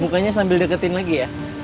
mukanya sambil deketin lagi ya